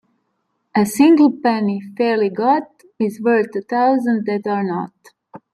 A single penny fairly got is worth a thousand that are not.